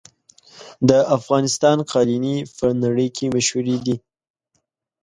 د افغانستان قالینې په نړۍ کې مشهورې دي.